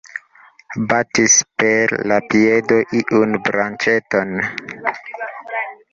Batis per la piedo iun branĉeton.